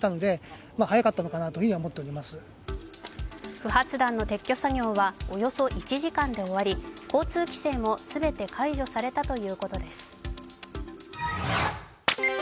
不発弾の撤去作業はおよそ１時間で終わり交通規制も全て解除されたということです。